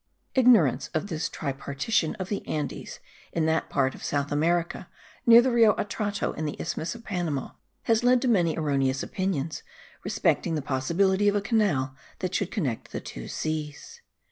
Ignorance of this tripartition of the Andes in that part of South America near the Rio Atrato and the isthmus of Panama, has led to many erroneous opinions respecting the possibility of a canal that should connect the two seas.